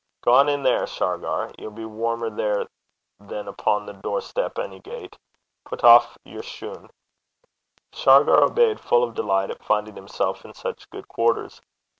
'Gang in there, Shargar. Ye'll be warmer there than upo' the door step ony gait. Pit aff yer shune.' Shargar obeyed, full of delight at finding himself in such good quarters.